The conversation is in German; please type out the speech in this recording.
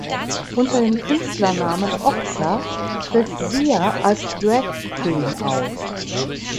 Unter dem Künstlernamen Oxa tritt Sia als Dragqueen auf.